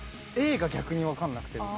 Ａが逆にわかんなくて僕。